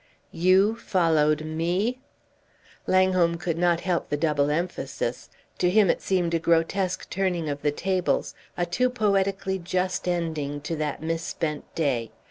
"You followed me?" Langholm could not help the double emphasis; to him it seemed a grotesque turning of the tables, a too poetically just ending to that misspent day.